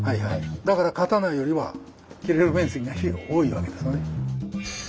だから刀よりは斬れる面積が多いわけですよね。